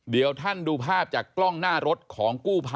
เดี๋ยวท่านดูภาพจากกล้องหน้ารถของกู้ภัย